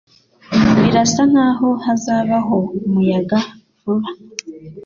Birasa nkaho hazabaho umuyaga vuba.